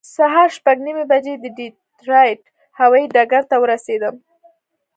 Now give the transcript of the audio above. سهار شپږ نیمې بجې د ډیټرایټ هوایي ډګر ته ورسېدم.